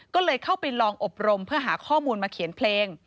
ก็เลยเข้าไปลองอบรมเพื่อหาข้อมูลมาเขียนเพลง